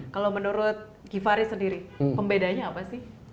kalau menurut givhary sendiri pembedanya apa sih